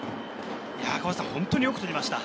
本当によく捕りました。